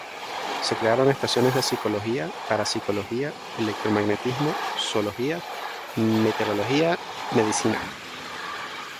Se crearon estaciones de psicología, parapsicología, electromagnetismo, zoología, meteorología, medicina.